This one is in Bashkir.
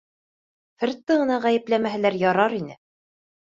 Фредты ғына ғәйепләмәһәләр ярар ине.